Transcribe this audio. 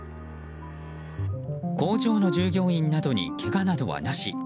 工場の従業員などにけがなどはなし。